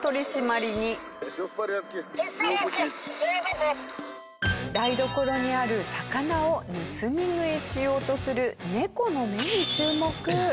なんだか台所にある魚を盗み食いしようとするネコの目に注目。